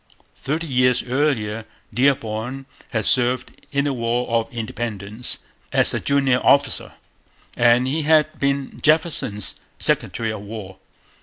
Thirty years earlier Dearborn had served in the War of Independence as a junior officer; and he had been Jefferson's Secretary of War.